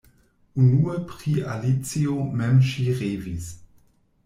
Unue pri Alicio mem ŝi revis.